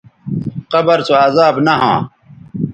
قبر سو عذاب نہ ھواں